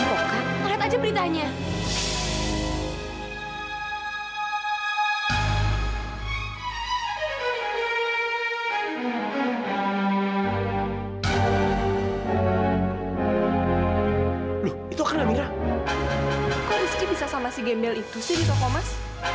kok rizky bisa sama si gembel itu sih di tokomas